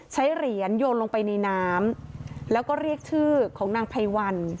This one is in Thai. ใช้เหรียญโยนลงไปในน้ำแล้วก็เรียกชื่อของนางไพวัน